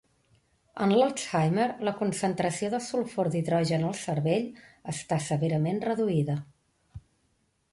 En l'Alzheimer la concentració de sulfur d'hidrogen al cervell està severament reduïda.